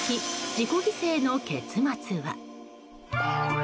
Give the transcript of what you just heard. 自己犠牲の結末は？